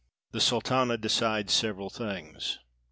THE SULTANA DECIDES SEVERAL THINGS.